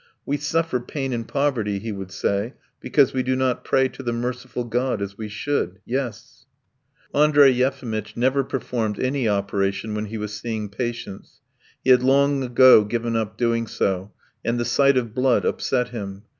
"We suffer pain and poverty," he would say, "because we do not pray to the merciful God as we should. Yes!" Andrey Yefimitch never performed any operation when he was seeing patients; he had long ago given up doing so, and the sight of blood upset him.